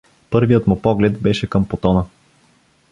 Първият му поглед беше към потона.